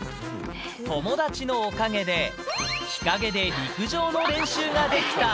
友達のおかげで、日陰で陸上の練習ができた。